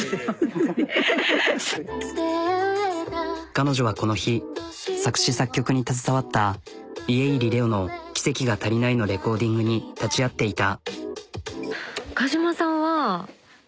彼女はこの日作詞作曲に携わった家入レオの「奇跡が足りない」のレコーディングに立ち会っていた。